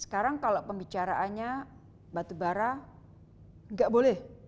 sekarang kalau pembicaraannya batubara nggak boleh